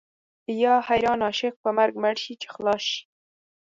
یا حیران عاشق په مرګ مړ شي چې خلاص شي.